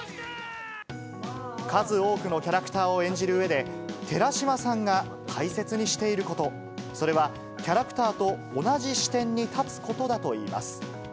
数多くのキャラクターを演じるうえで、寺島さんが大切にしていること、それは、キャラクターと同じ視点に立つことだといいます。